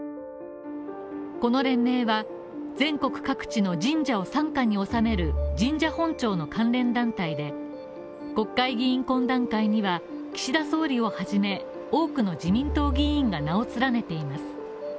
この連盟は全国各地の神社を傘下におさめる神社本庁の関連団体で、国会議員懇談会には岸田総理をはじめ、多くの自民党議員が名を連ねています。